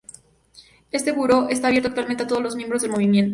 Este Buró está abierto actualmente a todos los miembros del Movimiento.